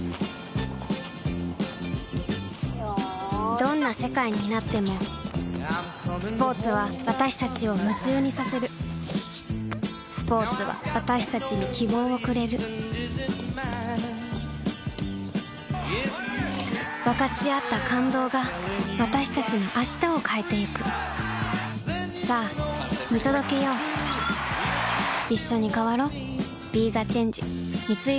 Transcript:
どんな世界になってもスポーツは私たちを夢中にさせるスポーツは私たちに希望をくれる分かち合った感動が私たちの明日を変えてゆくさあ見届けよういっしょに変わろう。